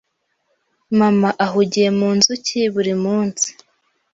Mama ahugiye mu nzuki buri munsi.